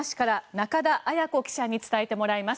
富山市から中田絢子記者に伝えてもらいます。